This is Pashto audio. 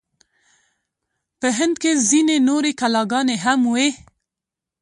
په هند کې ځینې نورې کلاګانې هم وې.